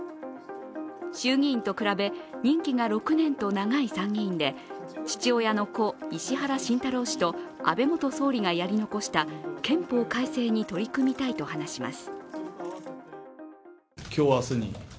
衆議院と比べ任期が６年と長い参議院で父親の故・石原慎太郎氏と、安倍元総理がやり残した憲法改正に取り組みたいと話します。